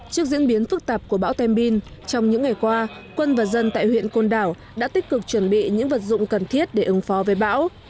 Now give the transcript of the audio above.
trước diễn biến phức tạp của bão tem bin trong những ngày qua quân và dân tại huyện côn đảo đã tích cực chuẩn bị những vật dụng cần thiết để ứng phó với bão